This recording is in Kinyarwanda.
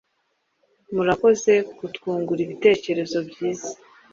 Murakoze kutwungura ibitekerezo byiza